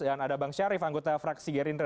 ada bang syarif anggota fraksi gerindra